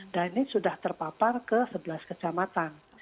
dan ini sudah terpapar ke sebelas kecamatan